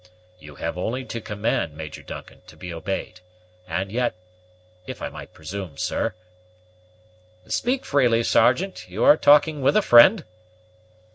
"You have only to command, Major Duncan, to be obeyed; and yet, if I might presume, sir " "Speak freely, Sergeant; you are talking with a friend."